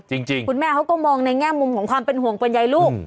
จริงคุณแม่เขาก็มองในแง่มุมของความเป็นห่วงเป็นใยลูก